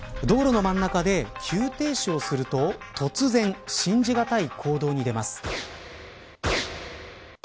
道路の真ん中で急停止をすると突然信じがたい行動に出ます。